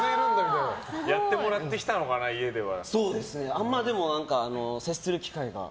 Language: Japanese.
やってもらってきたのかな家では。